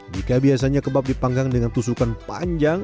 jika biasanya kebab dipanggang dengan tusukan panjang